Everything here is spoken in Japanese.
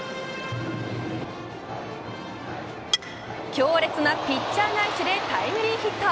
強烈なピッチャー返しでタイムリーヒット。